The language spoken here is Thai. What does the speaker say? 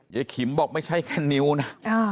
ขิมบอกไม่ใช่แค่นิ้วนะ